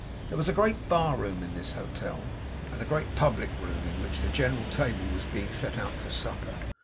There was a great bar room in this hotel, and a great public room in which the general table was being set out for supper.